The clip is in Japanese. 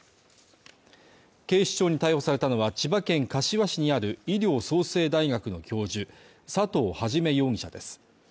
警視庁に逮捕されたのは千葉県柏市にある医療創生大学の教授・佐藤元容疑者です。